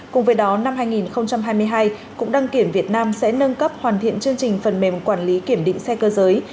cùng với đó năm hai nghìn hai mươi hai cục đăng kiểm việt nam sẽ nâng cấp hoàn thiện chương trình phần mềm quản lý kiểm định xe cơ giới